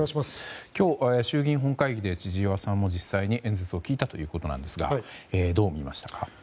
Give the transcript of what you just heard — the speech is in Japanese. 今日、衆議院本会議で千々岩さんも実際に演説を聞いたということですがどう見ましたか。